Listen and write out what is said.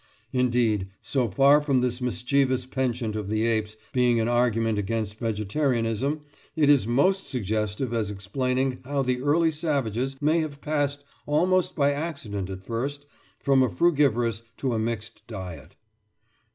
Indeed, so far from this mischievous penchant of the apes being an argument against vegetarianism, it is most suggestive as explaining how the early savages may have passed, almost by accident at first, from a frugivorous to a mixed diet.